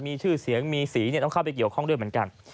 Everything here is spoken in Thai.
มีชื่อเสียงมีสีต้องเข้าไปเกี่ยวข้องด้วยเหมือนกัน